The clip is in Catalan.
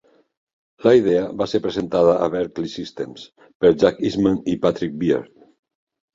La idea va ser presentada a Berkeley Systems per Jack Eastman i Patrick Beard.